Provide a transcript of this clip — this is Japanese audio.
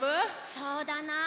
そうだな。